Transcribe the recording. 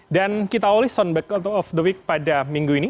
dan kita awali soundbites of the week pada minggu ini